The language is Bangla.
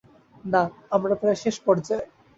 না, আমরা প্রায় শেষ পর্যায়ে!